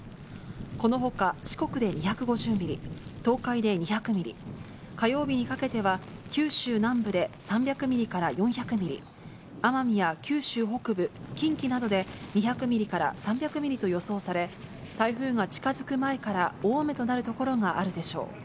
このほか四国で２５０ミリ、東海で２００ミリ、火曜日にかけては、九州南部で３００ミリから４００ミリ、奄美や九州北部、近畿などで２００ミリから３００ミリと予想され、台風が近づく前から大雨となる所があるでしょう。